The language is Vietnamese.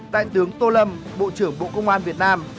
đại tướng tô lâm bộ trưởng bộ công an việt nam